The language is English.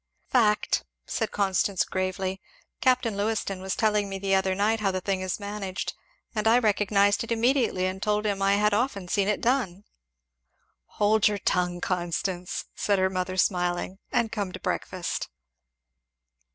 "Fact," said Constance gravely. "Capt. Lewiston was telling me the other night how the thing is managed; and I recognized it immediately and told him I had often seen it done!" "Hold your tongue, Constance," said her mother smiling, "and come to breakfast."